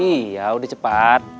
iya udah cepat